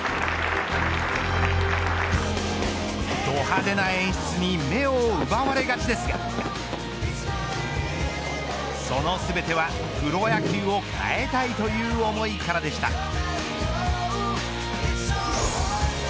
ど派手な演出に目を奪われがちですがその全てはプロ野球を変えたいという思いからでした。